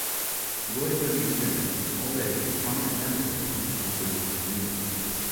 Roy W. Simmons was already a prominent member of the Utah business community.